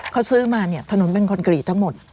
เขาซื้อมาเนี่ยถนนเป็นคอนกรีตทั้งหมด